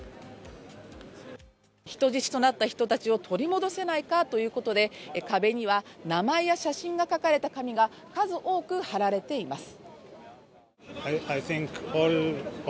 人質となった人たちを取り戻せないかということで、壁には名前や写真が書かれた紙が数多く貼られています。